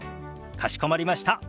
かしこまりました。